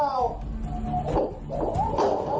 เอากูเปล่า